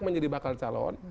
menjadi bakal calon